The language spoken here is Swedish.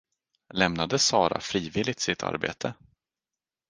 Lämnade Sara frivilligt sitt arbete?